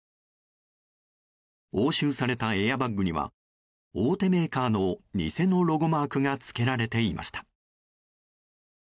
押収されたエアバッグには大手メーカーの偽のロゴマークがつけられていました。